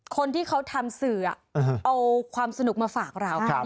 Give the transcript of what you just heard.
คนที่เขาทำสื่อเอาความสนุกมาฝากเรา